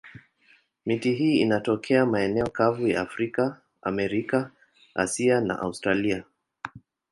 Miti hii inatokea maeneo kavu ya Afrika, Amerika, Asia na Australia.